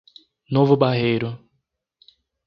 Novo Barreiro